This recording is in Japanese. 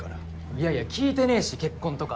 いやいや聞いてねぇし結婚とか。